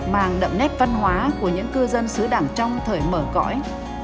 mang đậm nét văn hóa của những cư dân xứ đảng trong thời mở cõi